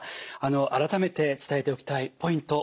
改めて伝えておきたいポイントお願いします。